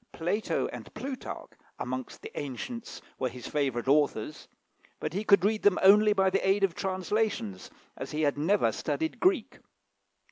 Plato and Plutarch, amongst the ancients, were his favourite authors; but he could read them only by the aid of translations, as he had never studied Greek.